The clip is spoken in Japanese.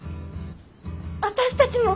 私たちも？